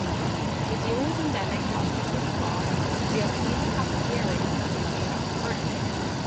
New Zealand's endemic Hochstetter's frog, "Leiopelma hochstetteri", is named after Ferdinand.